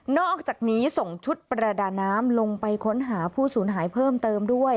อกจากนี้ส่งชุดประดาน้ำลงไปค้นหาผู้สูญหายเพิ่มเติมด้วย